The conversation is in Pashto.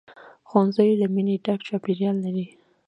ښوونځی له مینې ډک چاپېریال لري